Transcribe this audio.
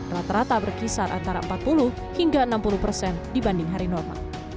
rata rata berkisar antara empat puluh hingga enam puluh persen dibanding hari normal